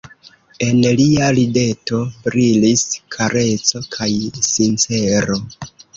En lia rideto brilis kareco kaj sincero.